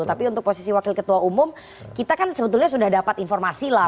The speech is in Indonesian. tapi untuk posisi wakil ketua umum kita kan sebetulnya sudah dapat informasi lah